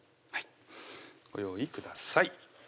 はいご用意ください